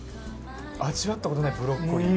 味わったことないブロッコリー。